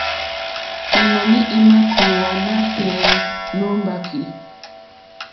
Ínɔ̀ní ímà kòówá nátɛ̀ɛ̀ nǒ mbàkì.